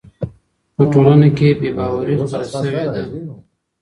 په ټولنه کي بې باوري خپره سوې ده.